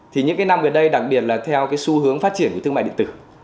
thì những cái năm gần đây đặc biệt là theo cái xu hướng phát triển của thương mại điện tử